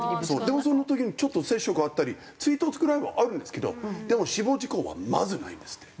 でもその時にちょっと接触あったり追突くらいはあるんですけどでも死亡事故はまずないんですって。